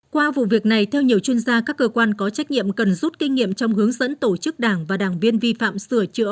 qua vụ việc này theo nhiều chuyên gia các cơ quan có trách nhiệm cần rút kinh nghiệm trong hướng dẫn tổ chức đảng và đảng viên vi phạm sửa chữa